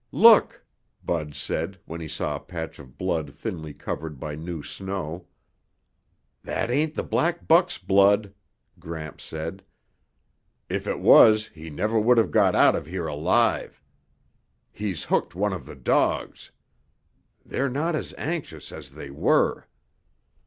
"Look!" Bud said, when he saw a patch of blood thinly covered by new snow. "That ain't the black buck's blood," Gramps said. "If it was he never would have got out of here alive. He's hooked one of the dogs. They're not as anxious as they were."